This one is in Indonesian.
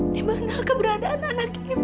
dimana keberadaan anak ibu